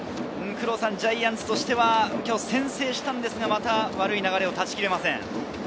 ジャイアンツとしては先制したんですが、また悪い流れを断ち切れません。